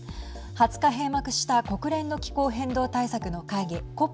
２０日、閉幕した国連の気候変動対策の会議